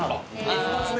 一発目。